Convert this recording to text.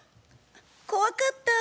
怖かった。